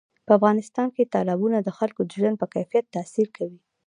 په افغانستان کې تالابونه د خلکو د ژوند په کیفیت تاثیر کوي.